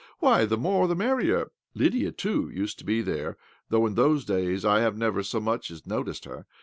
Why, the more the merrier. Lydia, too, used to be there— though, in those days I never so much as noticed her.